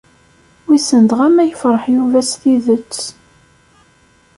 Wissen dɣa ma yefṛeḥ Yuba s tidet.